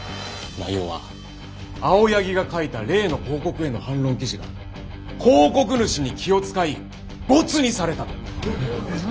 内容は青柳が書いた例の広告への反論記事が広告主に気を遣い没にされたと。